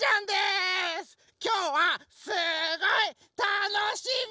きょうはすっごいたのしみ！